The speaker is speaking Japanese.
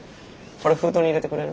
これ封筒に入れてくれる？